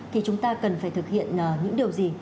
thì chúng ta cần phải thực hiện những điều gì